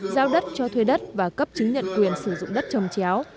giao đất cho thuê đất và cấp chứng nhận quyền sử dụng đất trồng chéo